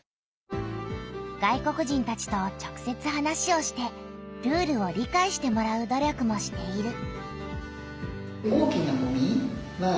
外国人たちと直せつ話をしてルールを理解してもらう努力もしている。